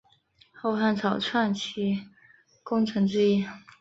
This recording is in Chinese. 后汉草创期功臣之一。